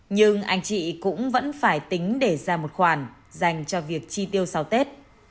nhưng anh chị cũng vẫn phải tính để ra một khoản dành cho việc chi tiêu sau tết